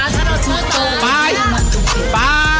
สาวผมบ๊อบ